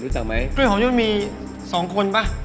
เรื่องของมีสองคนปะ